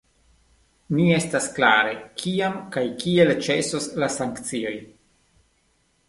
Ne estas klare, kiam kaj kiel ĉesos la sankcioj.